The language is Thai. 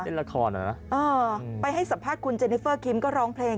เล่นละครเหรอนะเออไปให้สัมภาษณ์คุณเจนิเฟอร์คิมก็ร้องเพลง